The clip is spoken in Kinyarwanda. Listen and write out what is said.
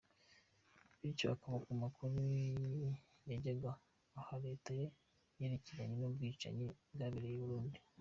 Bityo akaba nta makuru yajyaga aha Leta ye yerekeranye n’ ubwicanyi bwabereye i Burundi.